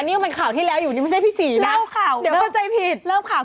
ดีน่ะกินของออร์แกนิคก็สงสารผู้ประกอบการไม่อยากไปซ้ำเติมอะไรแข็งแด๋ว